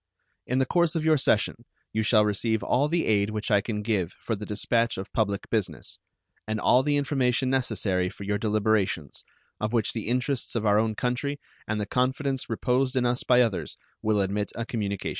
In the course of your session you shall receive all the aid which I can give for the dispatch of public business, and all the information necessary for your deliberations, of which the interests of our own country and the confidence reposed in us by others will admit a communication.